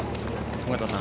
尾方さん